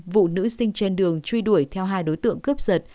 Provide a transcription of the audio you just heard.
vụ nữ sinh trên đường truy đuổi theo hai đối tượng cướp giật